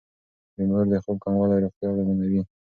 د مور د خوب کموالی روغتيا اغېزمنوي.